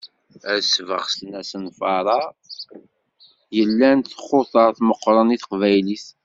Ad sbeɣsen asenfar-a ilan tixutert meqqren i teqbaylit.